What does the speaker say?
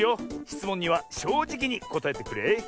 しつもんにはしょうじきにこたえてくれ。